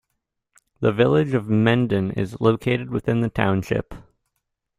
The Village of Mendon is located within the township.